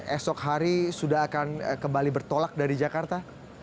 esok hari sudah akan kembali bertolak dari jakarta